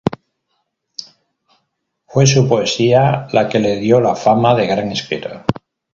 Fue su poesía la que le dio la fama de gran escritor.